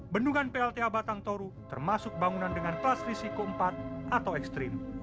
bendungan plta batang toru termasuk bangunan dengan kelas risiko empat atau ekstrim